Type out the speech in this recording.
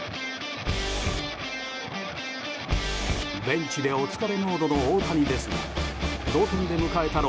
ベンチでお疲れモードの大谷ですが同点で迎えた